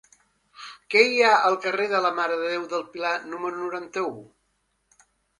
Què hi ha al carrer de la Mare de Déu del Pilar número noranta-u?